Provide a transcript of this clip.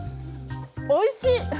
おいしい！